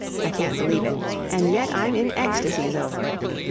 I can't believe it, and yet I'm in ecstasies over it.